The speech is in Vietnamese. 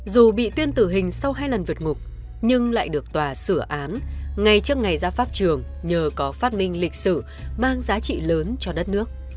dù bị tuyên tử hình sau hai lần vượt ngục nhưng lại được tòa sửa án ngay trước ngày ra pháp trường nhờ có phát minh lịch sử mang giá trị lớn cho đất nước